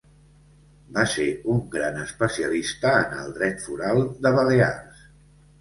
Va ser un gran especialista en el dret foral de Balears.